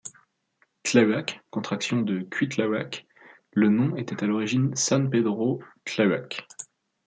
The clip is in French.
Tláhuac, contraction de Cuitlahuac, le nom était à l'origine San Pedro Tláhuac.